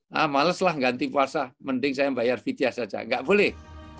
nah maleslah ganti puasa mending saya bayar vidya saja nggak boleh